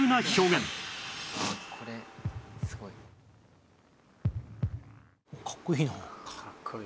「あっこれすごい」かっこいい。